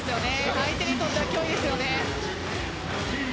相手にとっては脅威ですね。